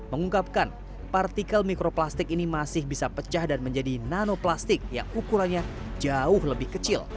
mengungkapkan partikel mikroplastik ini masih bisa pecah dan menjadi nanoplastik yang ukurannya jauh lebih kecil